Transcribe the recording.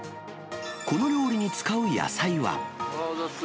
この料理に使う野菜は。